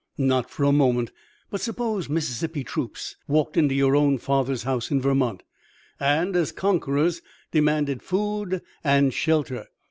"Not for a moment. But suppose Mississippi troops walked into your own father's house in Vermont, and, as conquerors, demanded food and shelter!